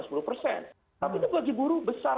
tapi itu bagi buruh besar